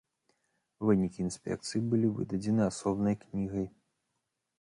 Вынікі інспекцыі былі выдадзены асобнай кнігай.